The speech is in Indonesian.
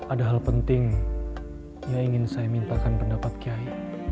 ada hal penting yang ingin saya mintakan pendapat kiai